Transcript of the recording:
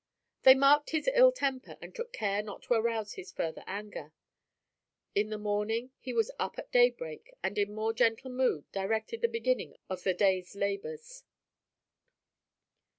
They marked his ill temper and took care not to arouse his further anger. In the morning he was up at daybreak and in more gentle mood directed the beginning of the day's labors.